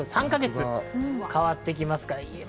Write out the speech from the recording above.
３か月変わってきます。